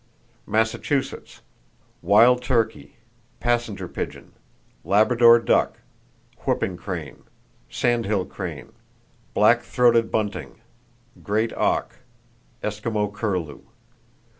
Massachusetts: Wild turkey, passenger pigeon, Labrador duck, whooping crane, sandhill crane, black throated bunting, great auk, Eskimo curlew.